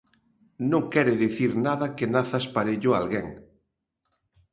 Non quere dicir nada que nazas parello a alguén.